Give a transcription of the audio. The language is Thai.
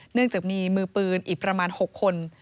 เนื่องจากมีมือปืนอีกประมาณ๖คน